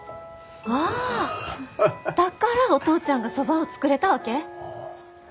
あだからお父ちゃんがそばを作れたわけ？